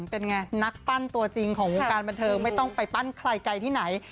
เป็นไงนักปั้นตัวจริงของวงการบันเทิงไม่ต้องไปปั้นใครไกลที่ไหน